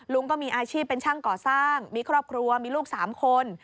ลุงก็มีอาชีพเป็นช่างก่อสร้างมีครอบครัวมีลูก๓คน